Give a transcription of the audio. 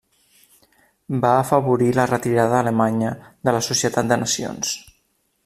Va afavorir la retirada alemanya de la Societat de Nacions.